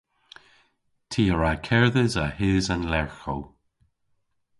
Ty a wra kerdhes a-hys an lerghow.